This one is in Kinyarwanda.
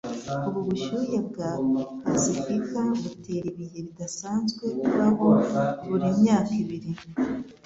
Ubu bushyuhe bwa pasifika butera ibihe bidasanzwe bibaho buri myaka ibiri